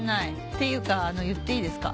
ていうか言っていいですか？